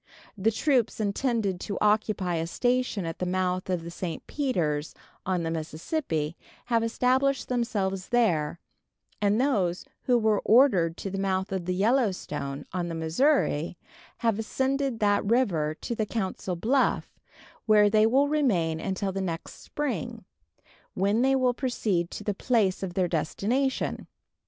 The troops intended to occupy a station at the mouth of the St. Peters, on the Mississippi, have established themselves there, and those who were ordered to the mouth of the Yellow Stone, on the Missouri, have ascended that river to the Council Bluff, where they will remain until the next spring, when they will proceed to the place of their destination.